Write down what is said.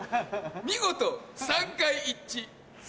見事３回一致。